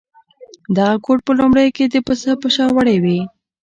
دغه کوټ په لومړیو کې د پسه په شا وړۍ وې.